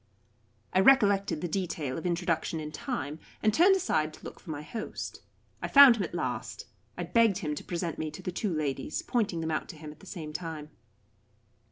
I recollected the detail of introduction in time, and turned aside to look for my host. I found him at last. I begged him to present me to the two ladies, pointing them out to him at the same time.